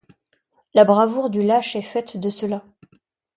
La bravoure du lâche est faite de cela.